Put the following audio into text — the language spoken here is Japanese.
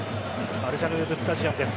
アルジャヌーブスタジアムです。